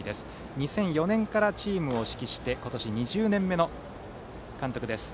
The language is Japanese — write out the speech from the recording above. ２００４年からチームを指揮して今年、２０年目の監督です。